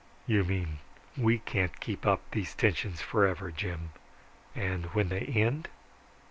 "You mean we can't keep up these tensions forever, Jim. And when they end?